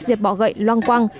diệt bỏ gậy loang quang